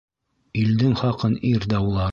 Илдең хаҡын ир даулар